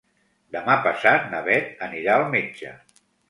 Demà passat na Bet anirà al metge.